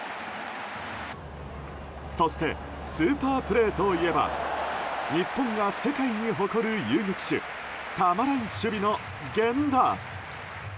そして、スーパープレーといえば日本が世界に誇る遊撃手たまらん守備の、源田。